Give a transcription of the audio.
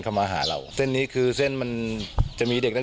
ขี่บนในบึงก่อนครับ